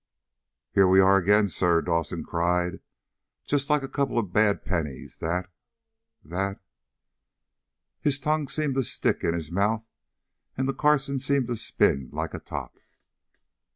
"Here we are again, sir," Dawson cried. "Just like a couple of bad pennies that that " His tongue seemed to stick in his mouth, and the Carson seemed to spin like a top.